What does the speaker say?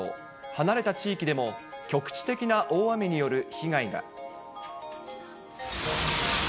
離れた地域でも、局地的な大雨による被害が。